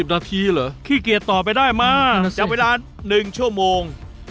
นาทีเหรอขี้เกียจต่อไปได้มาจากเวลา๑ชั่วโมง